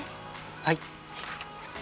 はい。